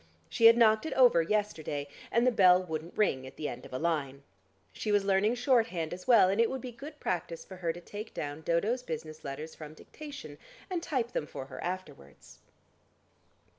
She had knocked it over yesterday, and the bell wouldn't ring at the end of a line. She was learning shorthand as well, and it would be good practice for her to take down Dodo's business letters from dictation, and type them for her afterwards....